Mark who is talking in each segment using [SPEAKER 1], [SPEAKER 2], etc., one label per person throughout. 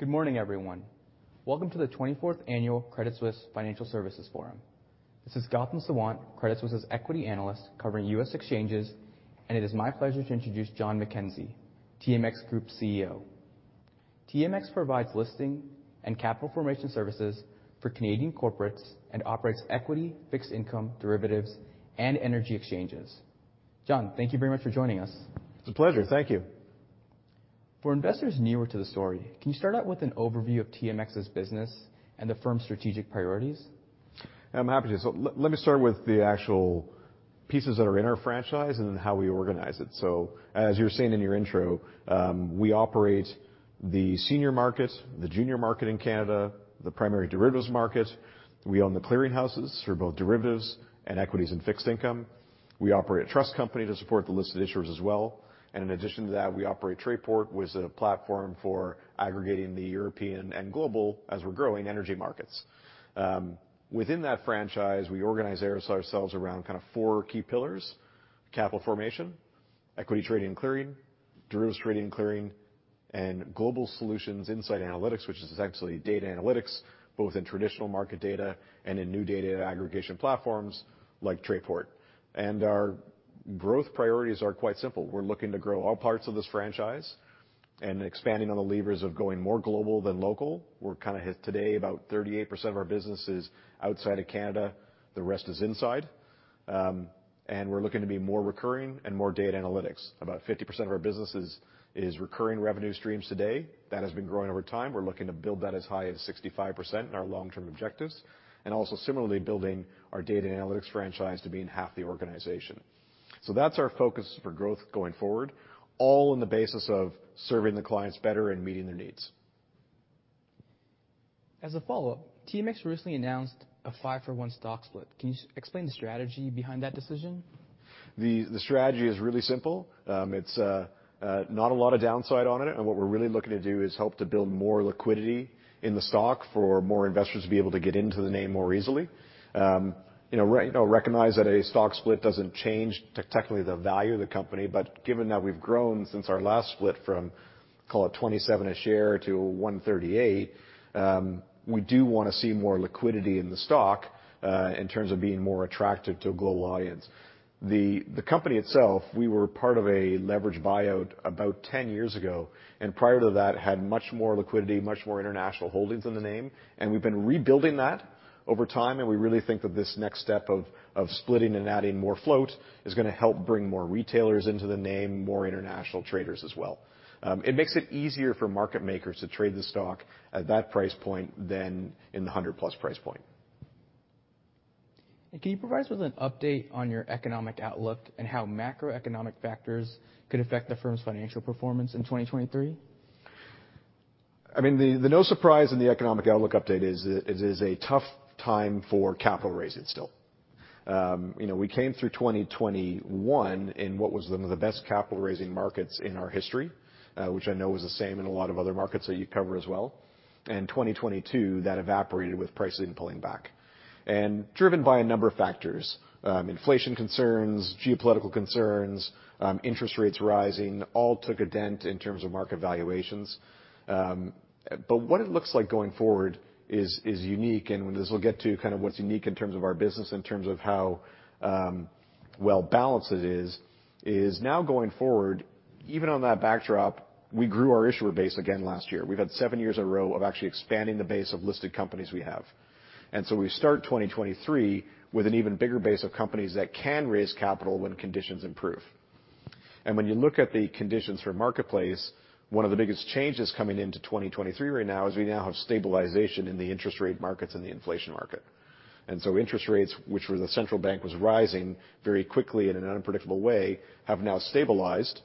[SPEAKER 1] Good morning, everyone. Welcome to the 24th Annual Credit Suisse Financial Services Forum. This is Gautam Sawant, Credit Suisse's Equity Analyst covering US exchanges. It is my pleasure to introduce John McKenzie, TMX Group CEO. TMX provides listing and capital formation services for Canadian corporates and operates equity, fixed income, derivatives, and energy exchanges. John, thank you very much for joining us.
[SPEAKER 2] It's a pleasure. Thank you.
[SPEAKER 1] For investors newer to the story, can you start out with an overview of TMX's business and the firm's strategic priorities?
[SPEAKER 2] I'm happy to. Let me start with the actual pieces that are in our franchise and then how we organize it. As you were saying in your intro, we operate the senior market, the junior market in Canada, the primary derivatives market. We own the clearinghouses for both derivatives and equities and fixed income. We operate a trust company to support the listed issuers as well. In addition to that, we operate TrayPort, which is a platform for aggregating the European and global as we're growing energy markets. Within that franchise, we organize ourselves around four key pillars: capital formation, equity trading and clearing, derivatives trading and clearing, and global solutions inside Analytics, which is essentially data analytics, both in traditional market data and in new data aggregation platforms like TrayPort. Our growth priorities are quite simple. We're looking to grow all parts of this franchise and expanding on the levers of going more global than local. We're today, about 38% of our business is outside of Canada, the rest is inside. We're looking to be more recurring and more data analytics. About 50% of our business is recurring revenue streams today. That has been growing over time. We're looking to build that as high as 65% in our long-term objectives, and also similarly building our data analytics franchise to being half the organization. That's our focus for growth going forward, all on the basis of serving the clients better and meeting their needs.
[SPEAKER 1] As a follow-up, TMX recently announced a 5-for-1 stock split. Can you explain the strategy behind that decision?
[SPEAKER 2] The strategy is really simple. it's not a lot of downside on it, and what we're really looking to do is help to build more liquidity in the stock for more investors to be able to get into the name more easily. you know, recognize that a stock split doesn't change technically the value of the company, but given that we've grown since our last split from, call it $27 a share to $138, we do wanna see more liquidity in the stock in terms of being more attractive to a global audience. The company itself, we were part of a leveraged buyout about 10 years ago, and prior to that had much more liquidity, much more international holdings in the name, and we've been rebuilding that over time, and we really think that this next step of splitting and adding more float is gonna help bring more retailers into the name, more international traders as well. It makes it easier for market makers to trade the stock at that price point than in the 100-plus price point.
[SPEAKER 1] Can you provide us with an update on your economic outlook and how macroeconomic factors could affect the firm's financial performance in 2023?
[SPEAKER 2] I mean, the no surprise in the economic outlook update is, it is a tough time for capital raising still. You know, we came through 2021 in what was one of the best capital-raising markets in our history, which I know is the same in a lot of other markets that you cover as well. In 2022, that evaporated with pricing pulling back. Driven by a number of factors, inflation concerns, geopolitical concerns, interest rates rising, all took a dent in terms of market valuations. What it looks like going forward is unique, and this will get to what's unique in terms of our business, in terms of how well balanced it is now going forward, even on that backdrop, we grew our issuer base again last year. We've had 7 years in a row of actually expanding the base of listed companies we have. We start 2023 with an even bigger base of companies that can raise capital when conditions improve. When you look at the conditions for marketplace, one of the biggest changes coming into 2023 right now is we now have stabilization in the interest rate markets and the inflation market. Interest rates, which were the central bank was rising very quickly in an unpredictable way, have now stabilized,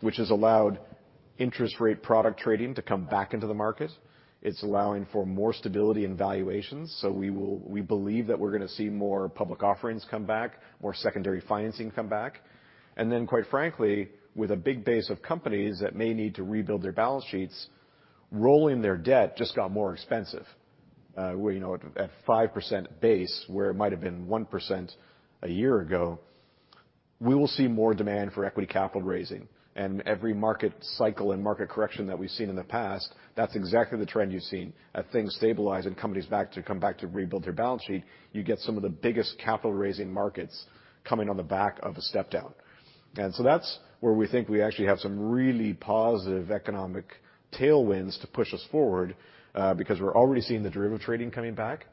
[SPEAKER 2] which has allowed interest rate product trading to come back into the market. It's allowing for more stability in valuations. We believe that we're gonna see more public offerings come back, more secondary financing come back. Quite frankly, with a big base of companies that may need to rebuild their balance sheets, rolling their debt just got more expensive, you know, at 5% base, where it might have been 1% a year ago. We will see more demand for equity capital raising. Every market cycle and market correction that we've seen in the past, that's exactly the trend you've seen. As things stabilize and companies come back to rebuild their balance sheet, you get some of the biggest capital-raising markets coming on the back of a step-down. That's where we think we actually have some really positive economic tailwinds to push us forward, because we're already seeing the derivative trading coming back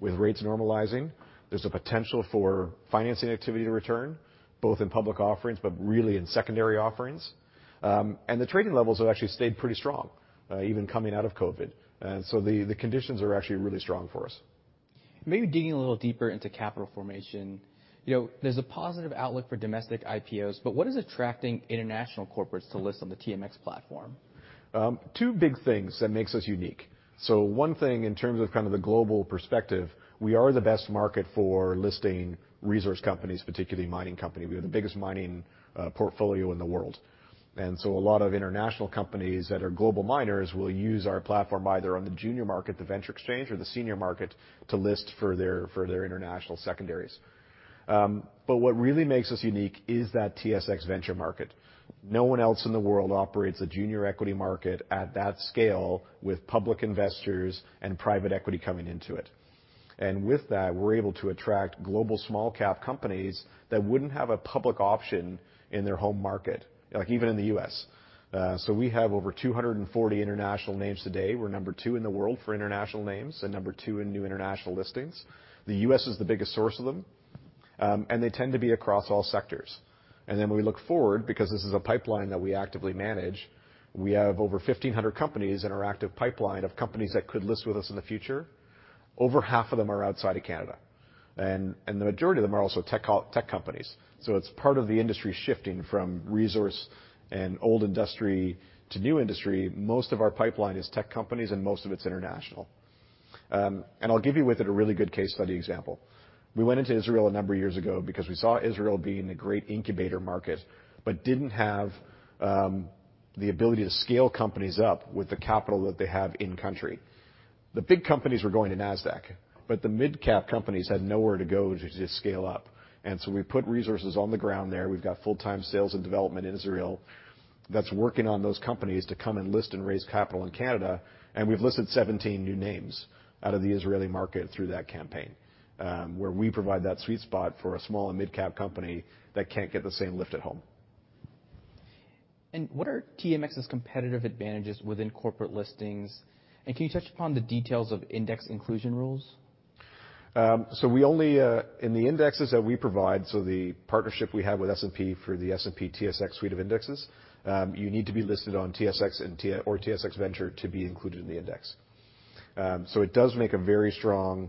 [SPEAKER 2] with rates normalizing. There's a potential for financing activity to return, both in public offerings, but really in secondary offerings. The trading levels have actually stayed pretty strong, even coming out of COVID. The conditions are actually really strong for us.
[SPEAKER 1] Maybe digging a little deeper into capital formation, you know, there's a positive outlook for domestic IPOs, but what is attracting international corporates to list on the TMX platform?
[SPEAKER 2] Two big things that makes us unique. One thing in terms of the global perspective, we are the best market for listing resource companies, particularly mining company. We have the biggest mining portfolio in the world. A lot of international companies that are global miners will use our platform either on the junior market, the Venture Exchange, or the senior market to list for their, for their international secondaries. What really makes us unique is that TSX Venture market. No one else in the world operates a junior equity market at that scale with public investors and private equity coming into it. With that, we're able to attract global small-cap companies that wouldn't have a public option in their home market, like even in the US We have over 240 international names today. We're number two in the world for international names and number two in new international listings. The US is the biggest source of them. They tend to be across all sectors. Then when we look forward, because this is a pipeline that we actively manage, we have over 1,500 companies in our active pipeline of companies that could list with us in the future. Over half of them are outside of Canada, and the majority of them are also tech companies. It's part of the industry shifting from resource and old industry to new industry. Most of our pipeline is tech companies, and most of it's international. I'll give you with it a really good case study example. We went into Israel a number of years ago because we saw Israel being a great incubator market, but didn't have the ability to scale companies up with the capital that they have in country. The big companies were going to Nasdaq, but the midcap companies had nowhere to go to scale up. We put resources on the ground there. We've got full-time sales and development in Israel that's working on those companies to come and list and raise capital in Canada. We've listed 17 new names out of the Israeli market through that campaign, where we provide that sweet spot for a small and midcap company that can't get the same lift at home.
[SPEAKER 1] What are TMX's competitive advantages within corporate listings, and can you touch upon the details of index inclusion rules?
[SPEAKER 2] We only in the indexes that we provide, the partnership we have with S&P for the S&P/TSX suite of indexes, you need to be listed on TSX and TSX Venture to be included in the index. It does make a very strong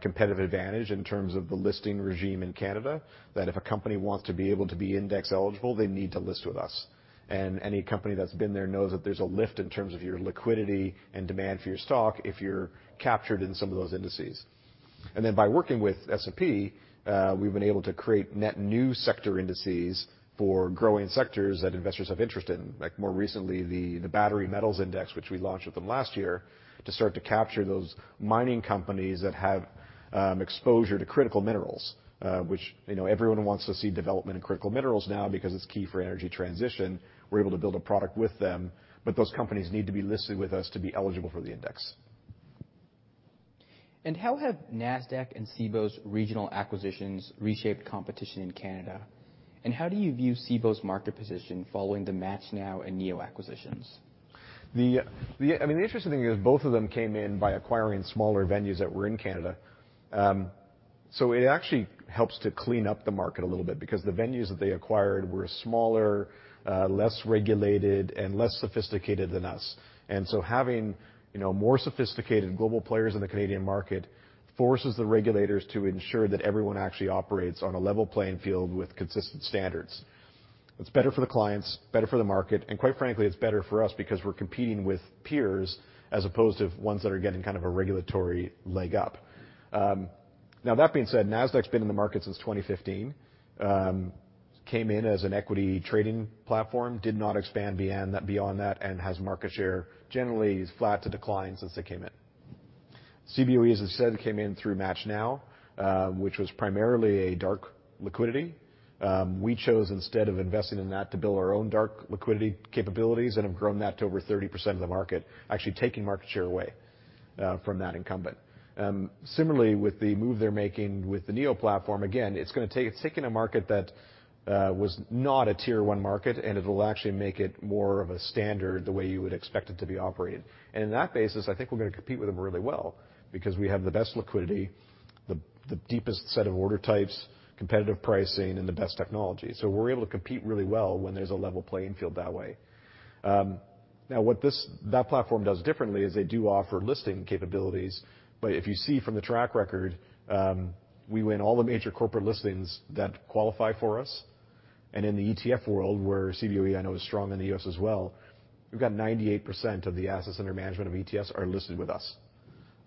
[SPEAKER 2] competitive advantage in terms of the listing regime in Canada, that if a company wants to be able to be index eligible, they need to list with us. Any company that's been there knows that there's a lift in terms of your liquidity and demand for your stock if you're captured in some of those indices. By working with S&P, we've been able to create net new sector indices for growing sectors that investors have interest in. Like more recently, the Battery Metals Index, which we launched with them last year to start to capture those mining companies that have exposure to critical minerals, which, you know, everyone wants to see development in critical minerals now because it's key for energy transition. We're able to build a product with them. Those companies need to be listed with us to be eligible for the index.
[SPEAKER 1] How have Nasdaq and Cboe's regional acquisitions reshaped competition in Canada? How do you view Cboe's market position following the MATCHNow and NEO acquisitions?
[SPEAKER 2] The interesting thing is both of them came in by acquiring smaller venues that were in Canada. It actually helps to clean up the market a little bit because the venues that they acquired were smaller, less regulated and less sophisticated than us. Having more sophisticated global players in the Canadian market forces the regulators to ensure that everyone actually operates on a level playing field with consistent standards. It's better for the clients, better for the market, and quite frankly, it's better for us because we're competing with peers as opposed to ones that are getting a regulatory leg up. Now that being said, Nasdaq's been in the market since 2015, came in as an equity trading platform, did not expand beyond that, and has market share generally flat to decline since they came in. Cboe, as I said, came in through MATCHNow, which was primarily a dark liquidity. We chose, instead of investing in that, to build our own dark liquidity capabilities and have grown that to over 30% of the market, actually taking market share away from that incumbent. Similarly, with the move they're making with the NEO platform, again, it's taking a market that was not a tier one market, and it'll actually make it more of a standard the way you would expect it to be operated. In that basis, I think we're gonna compete with them really well because we have the best liquidity, the deepest set of order types, competitive pricing and the best technology. We're able to compete really well when there's a level playing field that way. Now what that platform does differently is they do offer listing capabilities. If you see from the track record, we win all the major corporate listings that qualify for us. In the ETF world, where Cboe I know is strong in the US as well, we've got 98% of the assets under management of ETFs are listed with us.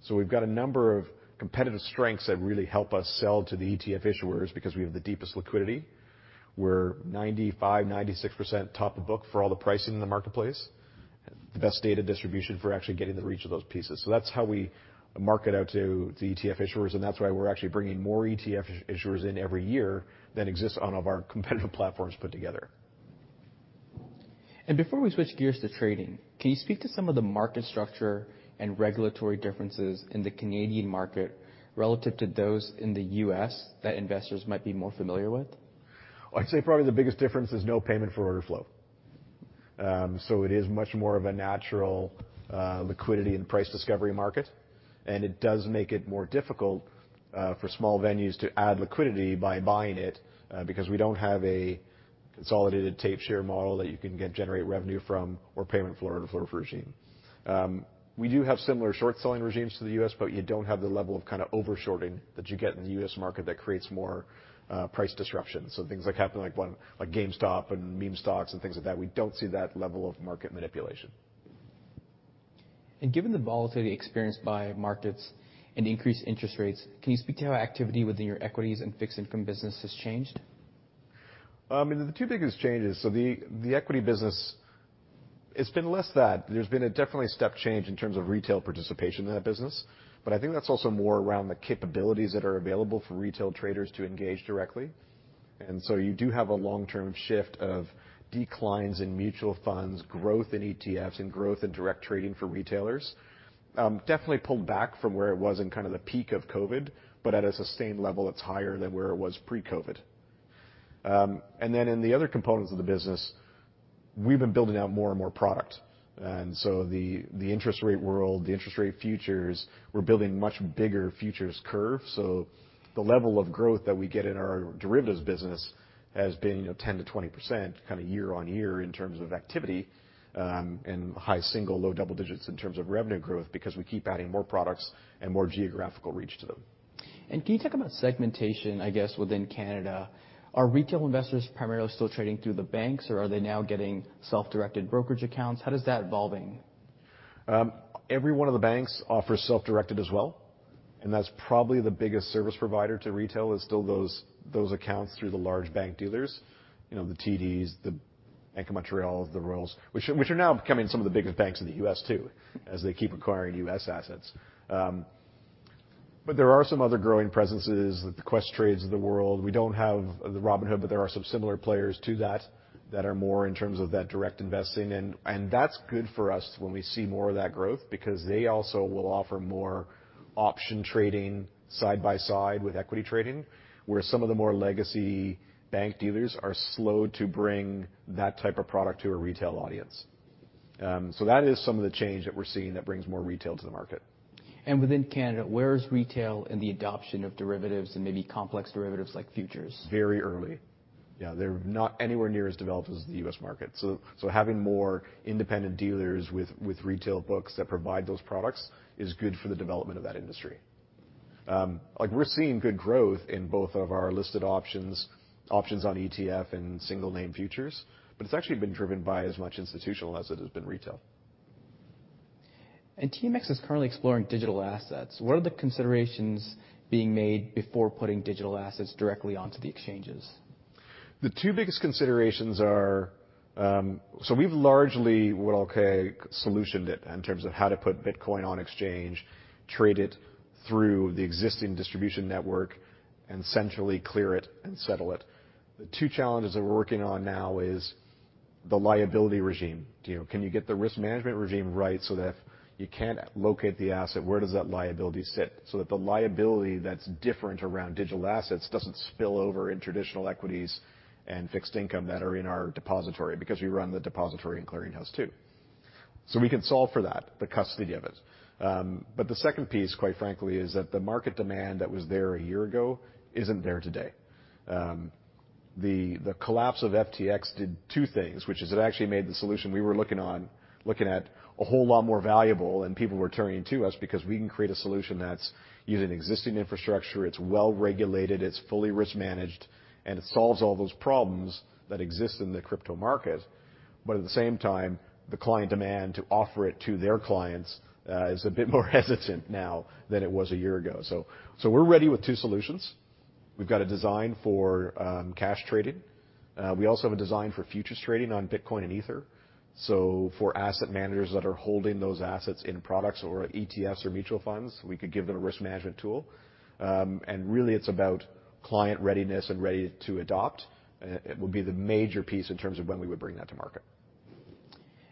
[SPEAKER 2] We've got a number of competitive strengths that really help us sell to the ETF issuers because we have the deepest liquidity. We're 95%, 96% top of book for all the pricing in the marketplace, the best data distribution for actually getting the reach of those pieces. That's how we market out to the ETF issuers, and that's why we're actually bringing more ETF issuers in every year than exists on all of our competitive platforms put together.
[SPEAKER 1] Before we switch gears to trading, can you speak to some of the market structure and regulatory differences in the Canadian market relative to those in the US that investors might be more familiar with?
[SPEAKER 2] I'd say probably the biggest difference is no payment for order flow. It is much more of a natural liquidity and price discovery market, and it does make it more difficult for small venues to add liquidity by buying it because we don't have a consolidated tape share model that you can generate revenue from or payment for order flow regime. We do have similar short selling regimes to the US, but you don't have the level ofover shorting that you get in the US market that creates more price disruption. Things like happening like when, like GameStop and meme stocks and things like that, we don't see that level of market manipulation.
[SPEAKER 1] Given the volatility experienced by markets and increased interest rates, can you speak to how activity within your equities and fixed income business has changed?
[SPEAKER 2] I mean, the two biggest changes, the equity business, it's been less that. There's been a definitely step change in terms of retail participation in that business, but I think that's also more around the capabilities that are available for retail traders to engage directly. You do have a long-term shift of declines in mutual funds, growth in ETFs and growth in direct trading for retailers. Definitely pulled back from where it was in the peak of Covid, but at a sustained level that's higher than where it was pre-Covid. In the other components of the business, we've been building out more and more product. The interest rate world, the interest rate futures, we're building much bigger futures curve. The level of growth that we get in our derivatives business has been, you know, 10%-20% year-over-year in terms of activity, and high single, low double digits in terms of revenue growth because we keep adding more products and more geographical reach to them.
[SPEAKER 1] Can you talk about segmentation, I guess within Canada? Are retail investors primarily still trading through the banks or are they now getting self-directed brokerage accounts? How does that evolving?
[SPEAKER 2] Every one of the banks offers self-directed as well, and that's probably the biggest service provider to retail is still those accounts through the large bank dealers. You know, the TDs, the Bank of Montreal, the Royals, which are now becoming some of the biggest banks in the US too, as they keep acquiring US assets. There are some other growing presences, the Questrade of the world. We don't have the Robinhood, but there are some similar players to that that are more in terms of that direct investing. That's good for us when we see more of that growth because they also will offer more option trading side by side with equity trading, where some of the more legacy bank dealers are slow to bring that type of product to a retail audience. That is some of the change that we're seeing that brings more retail to the market.
[SPEAKER 1] Within Canada, where is retail in the adoption of derivatives and maybe complex derivatives like futures?
[SPEAKER 2] Very early. Yeah, they're not anywhere near as developed as the US market. Having more independent dealers with retail books that provide those products is good for the development of that industry. Like we're seeing good growth in both of our listed options on ETF and single name futures, it's actually been driven by as much institutional as it has been retail.
[SPEAKER 1] TMX is currently exploring digital assets. What are the considerations being made before putting digital assets directly onto the exchanges?
[SPEAKER 2] The two biggest considerations are, we've largely, well, okay, solutioned it in terms of how to put Bitcoin on exchange, trade it through the existing distribution network and centrally clear it and settle it. The two challenges that we're working on now is the liability regime. You know, can you get the risk management regime right so that if you can't locate the asset, where does that liability sit? That the liability that's different around digital assets doesn't spill over in traditional equities and fixed income that are in our depository, because we run the depository and clearinghouse too. We can solve for that, the custody of it. The second piece, quite frankly, is that the market demand that was there a year ago isn't there today. The collapse of FTX did two things, which is it actually made the solution we were looking at a whole lot more valuable. People were turning to us because we can create a solution that's using existing infrastructure, it's well-regulated, it's fully risk managed, and it solves all those problems that exist in the crypto market. At the same time, the client demand to offer it to their clients is a bit more hesitant now than it was a year ago. We're ready with two solutions. We've got a design for cash trading. We also have a design for futures trading on Bitcoin and Ether. For asset managers that are holding those assets in products or ETFs or mutual funds, we could give them a risk management tool. Really it's about client readiness and ready to adopt. It would be the major piece in terms of when we would bring that to market.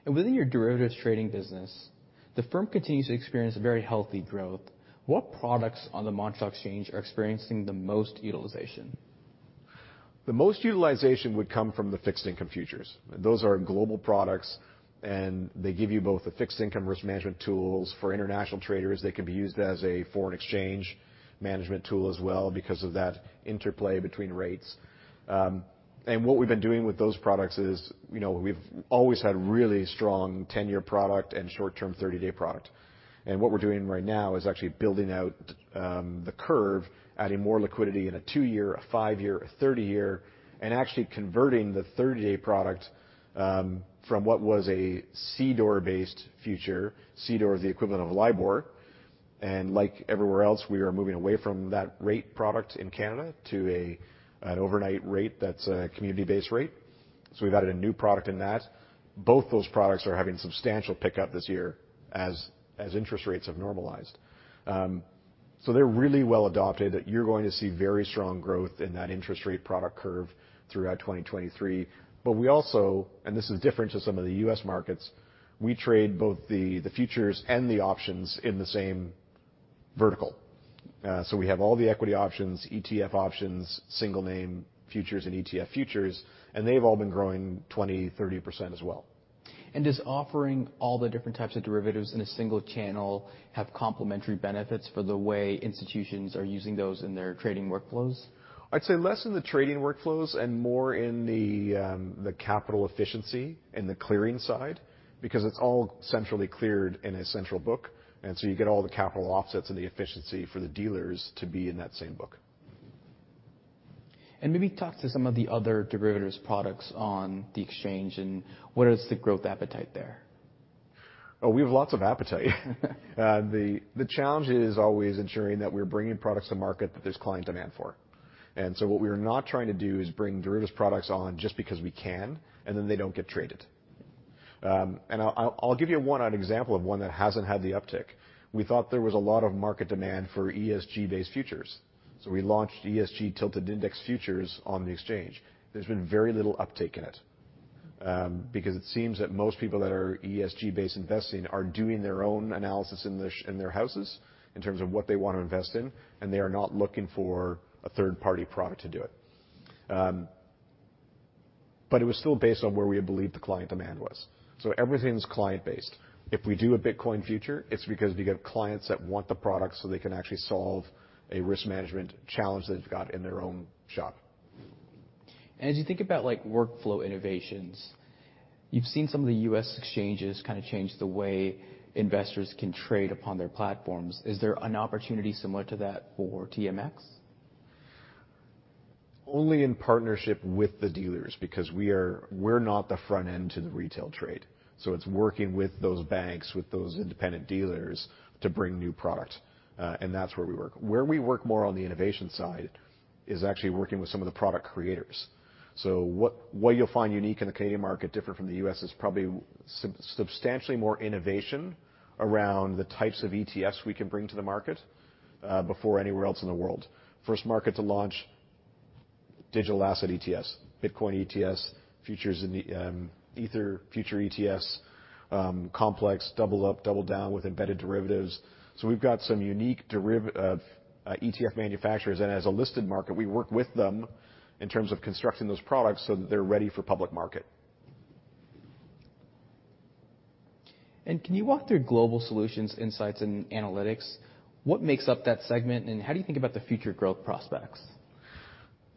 [SPEAKER 1] Within your derivatives trading business, the firm continues to experience very healthy growth. What products on the Montréal Exchange are experiencing the most utilization?
[SPEAKER 2] The most utilization would come from the fixed income futures. Those are global products. They give you both the fixed income risk management tools. For international traders, they can be used as a foreign exchange management tool as well because of that interplay between rates. What we've been doing with those products is, you know, we've always had really strong 10-year product and short-term 30-day product. What we're doing right now is actually building out the curve, adding more liquidity in a 2-year, a 5-year, a 30-year, and actually converting the 30-day product from what was a CDOR based future. CDOR is the equivalent of LIBOR. Like everywhere else, we are moving away from that rate product in Canada to an overnight rate that's a community base rate. We've added a new product in that. Both those products are having substantial pickup this year as interest rates have normalized. They're really well adopted, that you're going to see very strong growth in that interest rate product curve throughout 2023. We also, and this is different to some of the US markets, we trade both the futures and the options in the same vertical. We have all the equity options, ETF options, single name futures and ETF futures, and they've all been growing 20%, 30% as well.
[SPEAKER 1] Does offering all the different types of derivatives in a single channel have complementary benefits for the way institutions are using those in their trading workflows?
[SPEAKER 2] I'd say less in the trading workflows and more in the capital efficiency in the clearing side, because it's all centrally cleared in a central book. You get all the capital offsets and the efficiency for the dealers to be in that same book.
[SPEAKER 1] Maybe talk to some of the other derivatives products on the exchange and what is the growth appetite there?
[SPEAKER 2] We have lots of appetite. The challenge is always ensuring that we're bringing products to market that there's client demand for. What we are not trying to do is bring derivatives products on just because we can and then they don't get traded. I'll give you an example of one that hasn't had the uptick. We thought there was a lot of market demand for ESG-based futures, so we launched ESG tilted index futures on the exchange. There's been very little uptick in it. Because it seems that most people that are ESG-based investing are doing their own analysis in their houses in terms of what they want to invest in, and they are not looking for a third-party product to do it. It was still based on where we had believed the client demand was. Everything's client-based. If we do a Bitcoin future, it's because we have clients that want the product so they can actually solve a risk management challenge they've got in their own shop.
[SPEAKER 1] As you think about like workflow innovations, you've seen some of the US exchanges change the way investors can trade upon their platforms. Is there an opportunity similar to that for TMX?
[SPEAKER 2] Only in partnership with the dealers because we're not the front end to the retail trade. So it's working with those banks, with those independent dealers to bring new product, and that's where we work. Where we work more on the innovation side is actually working with some of the product creators. So what you'll find unique in the Canadian market different from the US is probably substantially more innovation around the types of ETFs we can bring to the market, before anywhere else in the world. First market to launch digital asset ETFs, Bitcoin ETFs, futures in the Ether, future ETFs, complex, double up, double down with embedded derivatives. So we've got some unique ETF manufacturers, and as a listed market, we work with them in terms of constructing those products so that they're ready for public market.
[SPEAKER 1] Can you walk through Global Solutions, Insights, and Analytics? What makes up that segment, and how do you think about the future growth prospects?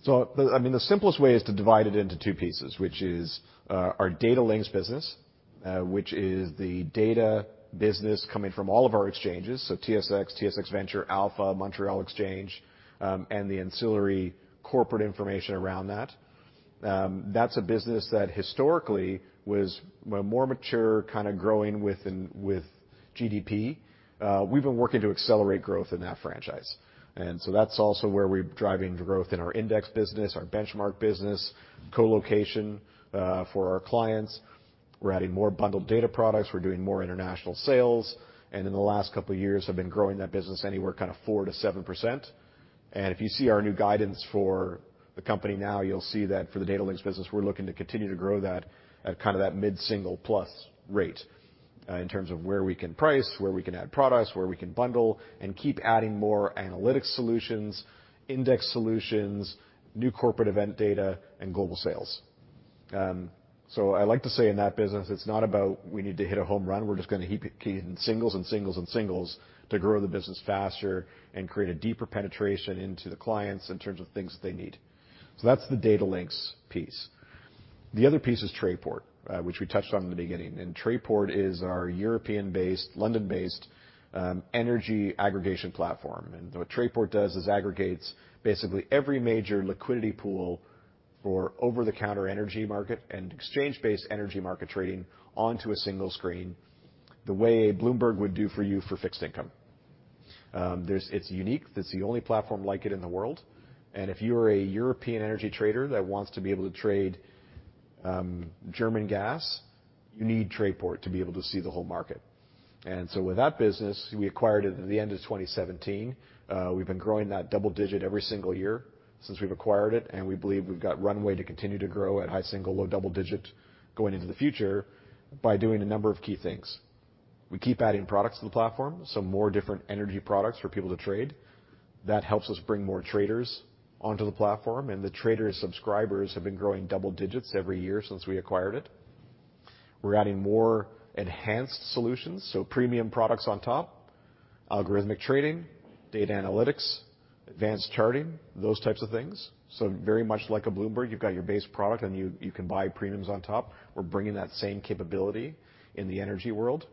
[SPEAKER 2] I mean, the simplest way is to divide it into two pieces, which is our Datalinx business, which is the data business coming from all of our exchanges, so TSX Venture, Alpha, Montréal Exchange, and the ancillary corporate information around that. That's a business that historically was more mature growing with with GDP. We've been working to accelerate growth in that franchise. That's also where we're driving growth in our index business, our benchmark business, co-location, for our clients. We're adding more bundled data products. We're doing more international sales. In the last couple of years have been growing that business anywhere 4%-7%. If you see our new guidance for the company now, you'll see that for the Datalinx business, we're looking to continue to grow that atthat mid-single+ rate, in terms of where we can price, where we can add products, where we can bundle and keep adding more analytics solutions, index solutions, new corporate event data, and global sales. I like to say in that business, it's not about we need to hit a home run. We're just gonna keep hitting singles and singles and singles to grow the business faster and create a deeper penetration into the clients in terms of things that they need. That's the Datalinx piece. The other piece is TrayPort, which we touched on in the beginning. TrayPort is our European-based, London-based energy aggregation platform. What TrayPort does is aggregates basically every major liquidity pool for over-the-counter energy market and exchange-based energy market trading onto a single screen, the way Bloomberg would do for you for fixed income. It's unique. That's the only platform like it in the world. If you're a European energy trader that wants to be able to trade German gas, you need TrayPort to be able to see the whole market. With that business, we acquired it at the end of 2017. We've been growing that double-digit every single year since we've acquired it, and we believe we've got runway to continue to grow at high single-digit, low double-digit going into the future by doing a number of key things. We keep adding products to the platform, so more different energy products for people to trade. That helps us bring more traders onto the platform, and the traders subscribers have been growing double digits every year since we acquired it. We're adding more enhanced solutions, so premium products on top, algorithmic trading, data analytics, advanced charting, those types of things. Very much like a Bloomberg, you've got your base product, and you can buy premiums on top. We're bringing that same capability in the energy world.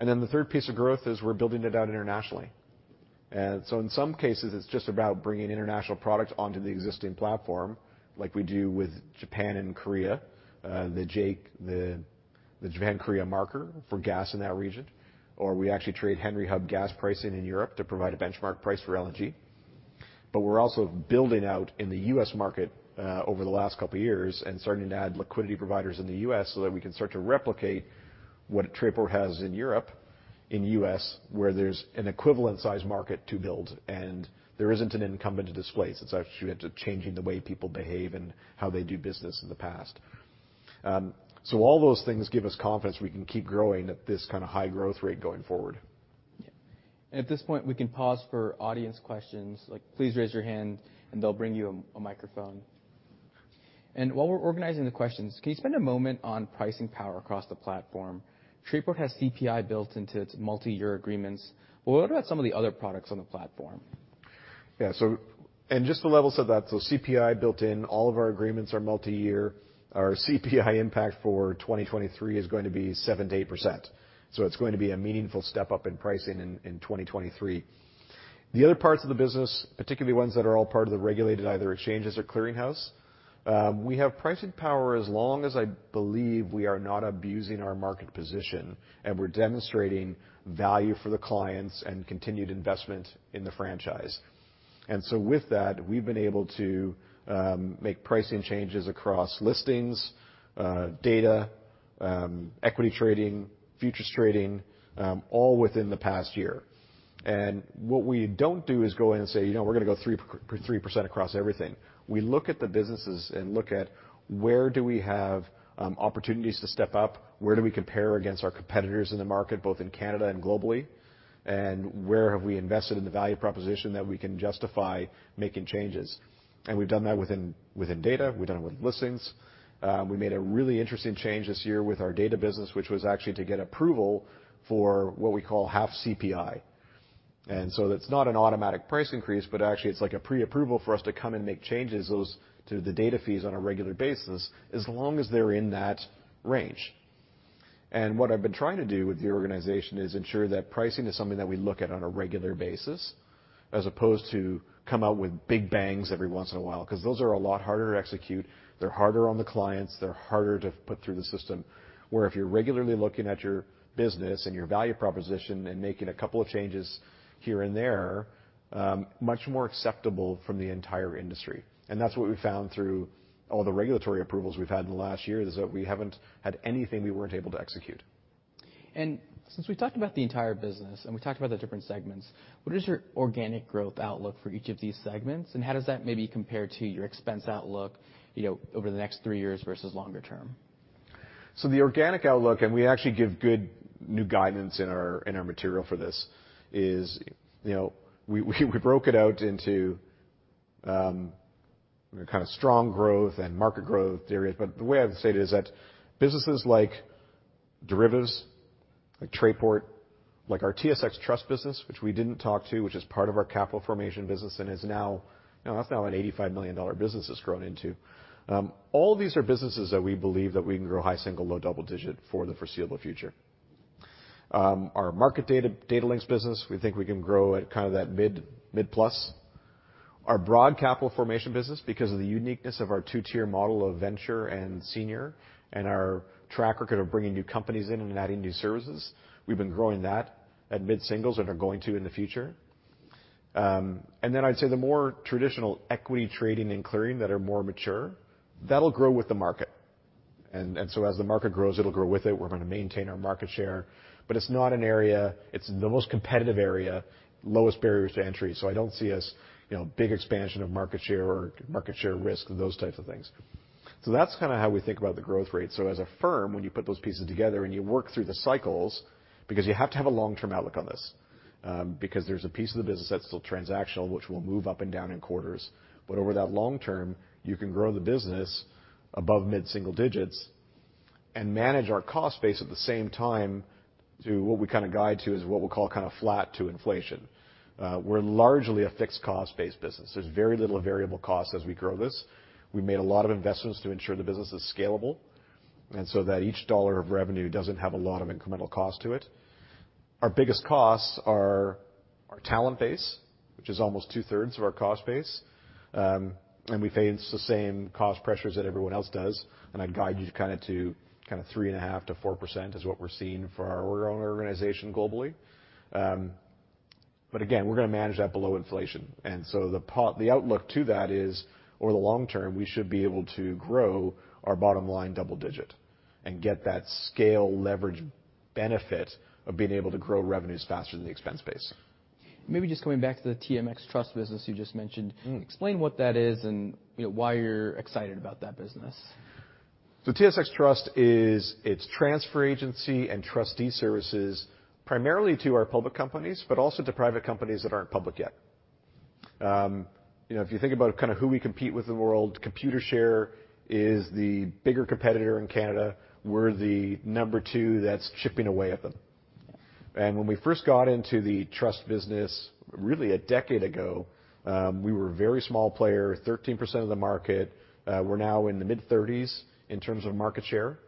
[SPEAKER 2] The third piece of growth is we're building it out internationally. In some cases, it's just about bringing international products onto the existing platform like we do with Japan and Korea, the JKM, the Japan Korea marker for gas in that region. We actually trade Henry Hub gas pricing in Europe to provide a benchmark price for LNG. We're also building out in the US market over the last 2 years and starting to add liquidity providers in the US so that we can start to replicate what Trayport has in Europe, in the US, where there's an equivalent size market to build and there isn't an incumbent to displace. It's actually changing the way people behave and how they do business in the past. All those things give us confidence we can keep growing at this high growth rate going forward.
[SPEAKER 1] At this point, we can pause for audience questions. Like, please raise your hand and they'll bring you a microphone. While we're organizing the questions, can you spend a moment on pricing power across the platform? TrayPort has CPI built into its multi-year agreements. What about some of the other products on the platform?
[SPEAKER 2] Yeah. Just the levels of that, CPI built-in, all of our agreements are multi-year. Our CPI impact for 2023 is going to be 7%-8%, it's going to be a meaningful step-up in pricing in 2023. The other parts of the business, particularly ones that are all part of the regulated, either exchanges or clearinghouse, we have pricing power as long as I believe we are not abusing our market position and we're demonstrating value for the clients and continued investment in the franchise. With that, we've been able to make pricing changes across listings, data, equity trading, futures trading, all within the past year. What we don't do is go in and say, "You know, we're gonna go 3% across everything." We look at the businesses and look at where do we have opportunities to step up? Where do we compare against our competitors in the market, both in Canada and globally? Where have we invested in the value proposition that we can justify making changes? We've done that within data, we've done it with listings. We made a really interesting change this year with our data business, which was actually to get approval for what we call half CPI. That's not an automatic price increase, but actually it's like a pre-approval for us to come and make changes to the data fees on a regular basis, as long as they're in that range. What I've been trying to do with the organization is ensure that pricing is something that we look at on a regular basis, as opposed to come out with big bangs every once in a while, 'cause those are a lot harder to execute, they're harder on the clients, they're harder to put through the system. Where if you're regularly looking at your business and your value proposition and making a couple of changes here and there, much more acceptable from the entire industry. That's what we've found through all the regulatory approvals we've had in the last year, is that we haven't had anything we weren't able to execute.
[SPEAKER 1] Since we talked about the entire business, and we talked about the different segments, what is your organic growth outlook for each of these segments, and how does that maybe compare to your expense outlook, you know, over the next three years versus longer term?
[SPEAKER 2] The organic outlook, and we actually give good new guidance in our, in our material for this, is, you know, we broke it out into, you know, strong growth and market growth theories. The way I would state it is that businesses like Derivatives, like Trayport, like our TSX Trust business, which we didn't talk to, which is part of our capital formation business and is now, you know, that's now a 85 million dollar business it's grown into. All these are businesses that we believe that we can grow high single, low double digit for the foreseeable future. Our market data, Datalinx business, we think we can grow at that mid-plus. Our broad capital formation business, because of the uniqueness of our two-tier model of venture and senior, and our track record of bringing new companies in and adding new services, we've been growing that at mid-singles and are going to in the future. Then I'd say the more traditional equity trading and clearing that are more mature, that'll grow with the market. As the market grows, it'll grow with it. We're gonna maintain our market share. It's not an area. It's the most competitive area, lowest barriers to entry, so I don't see us, you know, big expansion of market share or market share risk or those types of things. That's kinda how we think about the growth rate. As a firm, when you put those pieces together and you work through the cycles, because you have to have a long-term outlook on this, because there's a piece of the business that's still transactional, which will move up and down in quarters. Over that long term, you can grow the business above mid-single digits and manage our cost base at the same time to what we guide to is what we'll call flat to inflation. We're largely a fixed cost-based business. There's very little variable costs as we grow this. We made a lot of investments to ensure the business is scalable, and so that each dollar of revenue doesn't have a lot of incremental cost to it. Our biggest costs are our talent base, which is almost two-thirds of our cost base. We face the same cost pressures that everyone else does. I'd guide you to 3.5%-4% is what we're seeing for our own organization globally. Again, we're gonna manage that below inflation. So the outlook to that is, over the long term, we should be able to grow our bottom line double-digit and get that scale leverage benefit of being able to grow revenues faster than the expense base.
[SPEAKER 1] Maybe just coming back to the TSX Trust business you just mentioned.
[SPEAKER 2] Mm.
[SPEAKER 1] Explain what that is and, you know, why you're excited about that business.
[SPEAKER 2] The TSX Trust is, it's transfer agency and trustee services, primarily to our public companies, but also to private companies that aren't public yet. You know, if you think about who we compete with in the world, Computershare is the bigger competitor in Canada. We're the number two that's chipping away at them. When we first got into the trust business, really a decade ago, we were a very small player, 13% of the market. We're now in the mid-thirties in terms of market share.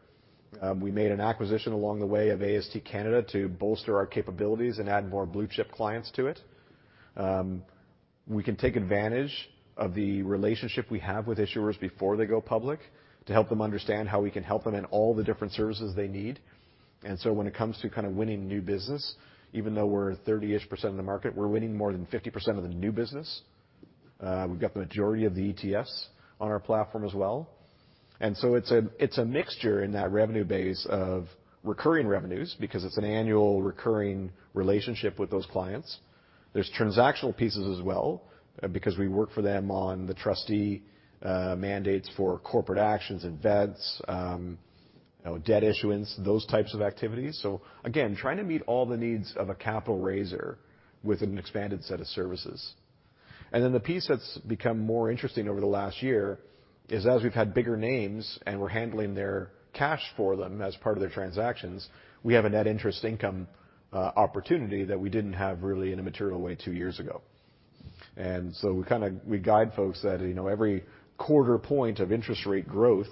[SPEAKER 2] We made an acquisition along the way of AST Canada to bolster our capabilities and add more blue chip clients to it. We can take advantage of the relationship we have with issuers before they go public to help them understand how we can help them in all the different services they need. When it comes to winning new business, even though we're 30-ish% of the market, we're winning more than 50% of the new business. We've got the majority of the ETFs on our platform as well. It's a, it's a mixture in that revenue base of recurring revenues, because it's an annual recurring relationship with those clients. There's transactional pieces as well, because we work for them on the trustee, mandates for corporate actions, events, you know, debt issuance, those types of activities. Again, trying to meet all the needs of a capital raiser with an expanded set of services. The piece that's become more interesting over the last year is, as we've had bigger names and we're handling their cash for them as part of their transactions, we have a net interest income opportunity that we didn't have really in a material way two years ago. We guide folks that, you know, every quarter point of interest rate growth,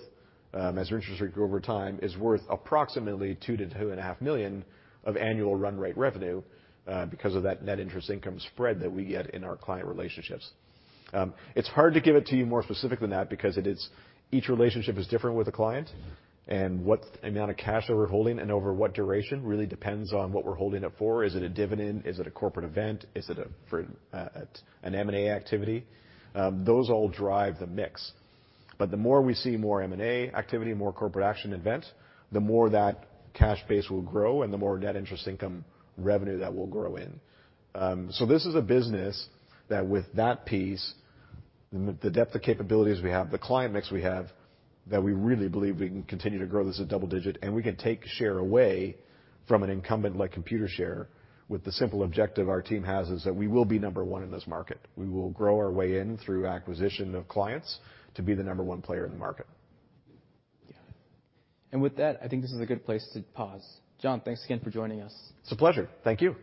[SPEAKER 2] as our interest rates grow over time, is worth approximately 2 million-2.5 million of annual run rate revenue because of that net interest income spread that we get in our client relationships. It's hard to give it to you more specific than that because each relationship is different with a client, and what amount of cash that we're holding and over what duration really depends on what we're holding it for. Is it a dividend? Is it a corporate event? Is it an M&A activity? Those all drive the mix. The more we see more M&A activity, more corporate action events, the more that cash base will grow and the more net interest income revenue that we'll grow in. This is a business that, with that piece, the depth of capabilities we have, the client mix we have, that we really believe we can continue to grow this at double digit, and we can take share away from an incumbent like Computershare with the simple objective our team has, is that we will be number one in this market. We will grow our way in through acquisition of clients to be the number one player in the market.
[SPEAKER 1] Yeah. With that, I think this is a good place to pause. John, thanks again for joining us.
[SPEAKER 2] It's a pleasure. Thank you.